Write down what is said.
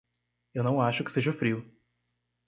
Eu não acho que seja frio.